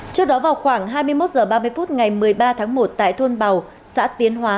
trước đó vào khoảng hai mươi một h ba mươi phút ngày một mươi ba tháng một tại thôn bào xã tiến hóa